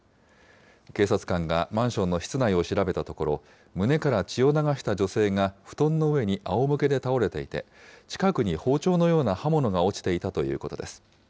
警察官がマンションの室内を調べたところ、胸から血を流した女性が布団の上にあおむけで倒れていて、近くに包丁のような刃物が落ちていたということです。